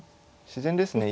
自然ですね。